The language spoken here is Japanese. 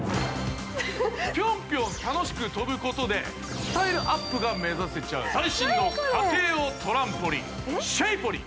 ピョンピョン楽しく跳ぶことでスタイルアップが目指せちゃう最新の家庭用トランポリンシェイポリン。